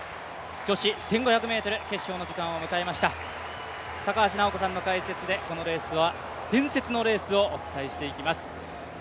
女子１５００ｍ決勝の時間を迎えました高橋尚子さんの解説でこのレース、伝説のレースをお伝えしてまいります。